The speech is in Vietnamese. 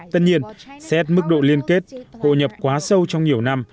tất nhiên xét mức độ liên kết hồ nhập quá sâu trong nhiều năm